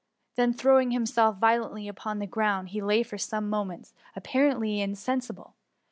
^ Then throwing himself violently upon the ground, he lay for some moments, apparently insensi ble.